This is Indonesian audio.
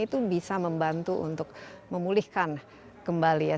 itu bisa membantu untuk memulihkan kembali ya